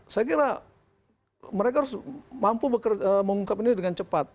saya kira mereka harus mampu mengungkap ini dengan cepat